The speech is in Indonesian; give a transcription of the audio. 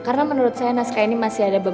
karena menurut saya naskah ini masih ada berbeda